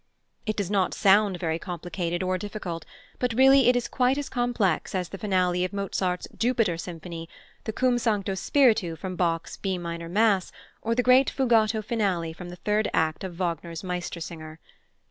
It does not sound very complicated or difficult, but really it is quite as complex as the finale of Mozart's "Jupiter" Symphony, the "Cum Sancto Spiritu" from Bach's B minor Mass, or the great fugato finale from the third act of Wagner's Meistersinger.